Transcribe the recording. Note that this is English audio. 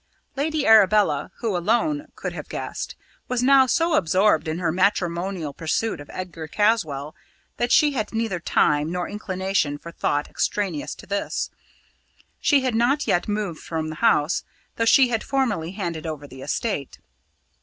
Lady Arabella, who alone could have guessed, was now so absorbed in her matrimonial pursuit of Edgar Caswall, that she had neither time nor inclination for thought extraneous to this. She had not yet moved from the house, though she had formally handed over the estate.